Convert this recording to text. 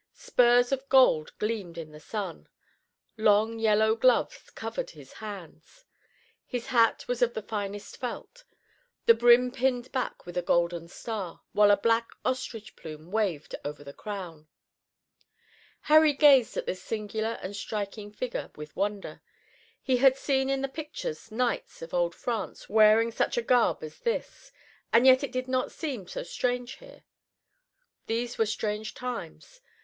Spurs of gold gleamed in the sun. Long yellow gloves covered his hands. His hat was of the finest felt, the brim pinned back with a golden star, while a black ostrich plume waved over the crown. Harry gazed at this singular and striking figure with wonder. He had seen in the pictures knights of old France wearing such a garb as this, and yet it did not seem so strange here. These were strange times.